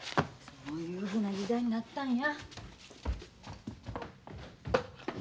そういうふうな時代になったんや。